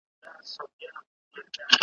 قضاوت به د ظالم په ژبه کیږي ,